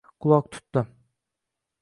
Quloq tutdi